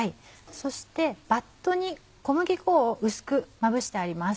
そしてバットに小麦粉を薄くまぶしてあります。